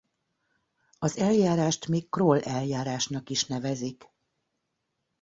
Az eljárást még Kroll-eljárásnak is nevezik.